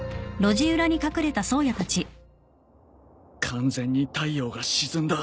完全に太陽が沈んだ。